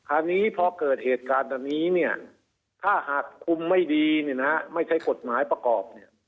อันนี้พอเกิดเหตุการณ์แบบนี้เนี่ยถ้าหากคุมไม่ดีไม่ใช้กฎหมายประกอบเนี่ย